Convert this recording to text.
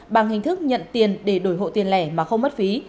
bằng hình thức nhận tiền để đổi hộ tiền lẻ mà không mất phí